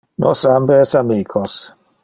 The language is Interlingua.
Nos ambe es amicos.